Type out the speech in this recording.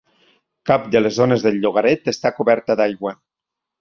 Cap de les zones del llogaret està coberta d'aigua.